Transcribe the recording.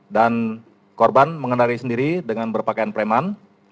dan korban mengendarai sendiri dengan berpakaian preman